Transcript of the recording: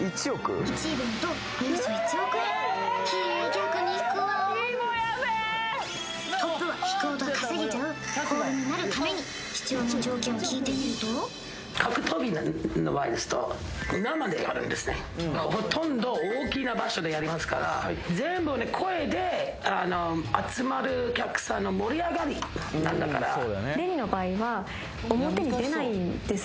逆に引くわートップは引くほど稼げちゃうコールになるために必要な条件を聞いてみると格闘技の場合ですと生でやるんですねほとんど大きな場所でやりますから全部ね声で集まるお客さんの盛り上がりなんだからレニーの場合は表に出ないんです